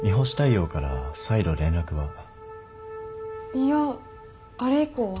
いやあれ以降は。